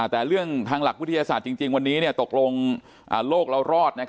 แต่เรื่องของวิทยาศาสตร์ตกลงโลกรอด